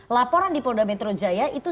laporan di polda metro jaya itu